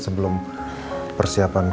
sebelum persiapan ke operasi